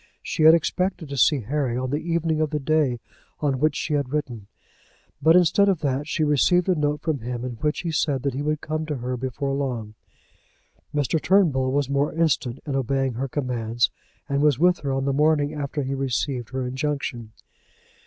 She had expected to see Harry on the evening of the day on which she had written, but instead of that she received a note from him in which he said that he would come to her before long. Mr. Turnbull was more instant in obeying her commands, and was with her on the morning after he received her injunction.